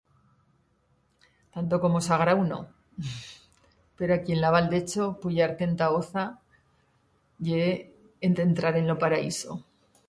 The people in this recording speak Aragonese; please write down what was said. Tanto como sagrau, no. Pero aquí en la Val d'Echo, puyar-te enta Oza ye... en- dentrar en lo paraíso.